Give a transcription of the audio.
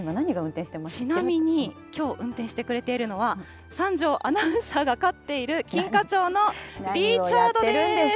ちなみに、きょう運転してくれているのは、三條アナウンサーが飼っているキンカチョウのリチャードです。